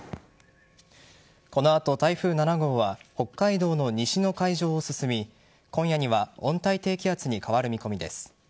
この後、台風７号は北海道の西の海上を進み今夜には温帯低気圧に変わる見込みです。